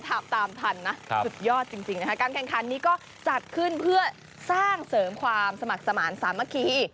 ตามทันนะสุดยอดจริงนะคะการแข่งขันนี้ก็จัดขึ้นเพื่อสร้างเสริมความสมัครสมาธิสามัคคี